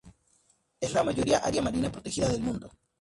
Es la mayor área marina protegida del mundo.